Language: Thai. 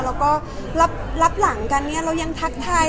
แล้วก็รับหลังกันเนี่ยเรายังทักทาย